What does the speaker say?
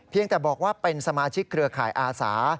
แต่บอกว่าเป็นสมาชิกเครือข่ายอาสา